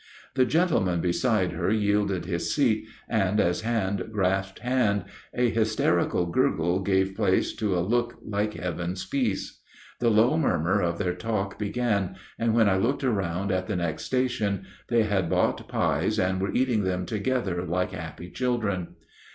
The gentleman beside her yielded his seat, and as hand grasped hand a hysterical gurgle gave place to a look like Heaven's peace. The low murmur of their talk began and when I looked around at the next station they had bought pies and were eating them together like happy children.